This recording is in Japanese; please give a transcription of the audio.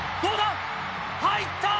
入った！